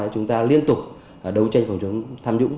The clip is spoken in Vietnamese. chúng ta liên tục đấu tranh phòng chống tham nhũng